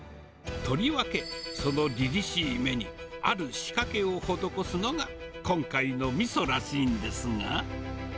とりわけ、そのりりしい目にある仕掛けを施すのが、今回のみそらしいんですが。